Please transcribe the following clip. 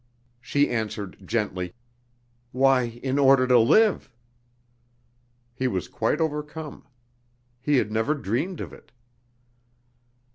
She answered gently: "Why, in order to live." He was quite overcome. He had never dreamed of it.